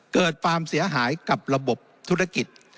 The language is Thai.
เกิดความเสียหายกับระบบธุรกิจ